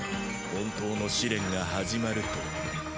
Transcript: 本当の試練が始まると。